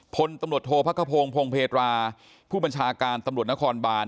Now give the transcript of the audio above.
พลตำรวจโทษพระขพงศ์พงเพตราผู้บัญชาการตำรวจนครบาน